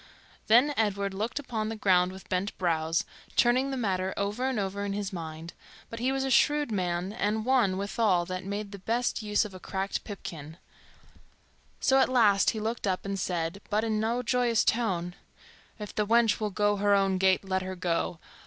Then Edward looked upon the ground with bent brows, turning the matter over and over in his mind; but he was a shrewd man and one, withal, that made the best use of a cracked pipkin; so at last he looked up and said, but in no joyous tone, "If the wench will go her own gait, let her go.